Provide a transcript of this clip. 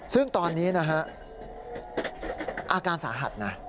ซึ่งตอนนี้อาการสาหัส